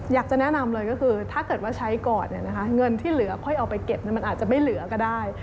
อยากจะแนะนำเลยก็คือถ้าเกิดว่าใช้ก่อนเงินที่เหลือค่อยเอาไปเก็บมันอาจจะไม่เหลือก็ได้